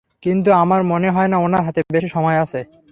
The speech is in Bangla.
কিন্তু আমার মনে হয় না ওনার হাতে বেশি সময় আছে।